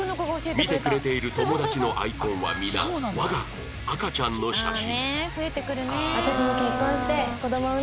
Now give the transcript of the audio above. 見てくれている友達のアイコンは皆我が子赤ちゃんの写真